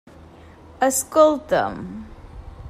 Escolta'm.